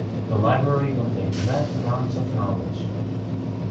The library contains vast amounts of knowledge.